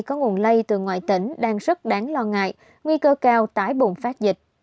có nguồn lây từ ngoại tỉnh đang rất đáng lo ngại nguy cơ cao tái bùng phát dịch